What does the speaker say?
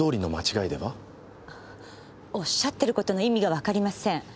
おっしゃっていることの意味がわかりません。